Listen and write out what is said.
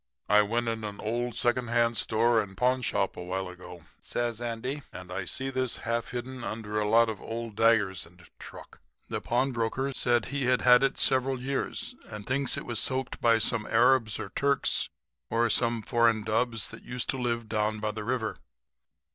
"'I went in an old second hand store and pawnshop a while ago,' says Andy, 'and I see this half hidden under a lot of old daggers and truck. The pawnbroker said he'd had it several years and thinks it was soaked by some Arabs or Turks or some foreign dubs that used to live down by the river.